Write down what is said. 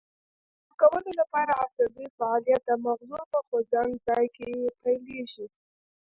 د خبرو کولو لپاره عصبي فعالیت د مغزو په خوځند ځای کې پیلیږي